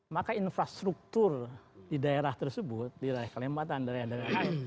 maka infrastruktur di daerah tersebut di daerah kalimantan daerah daerah lain